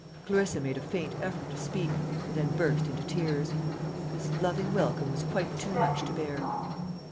Clarissa made a faint effort to speak, and then burst into tears. This loving welcome was quite too much to bear.